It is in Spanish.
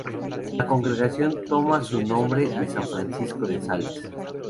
La Congregación toma su nombre de San Francisco de Sales.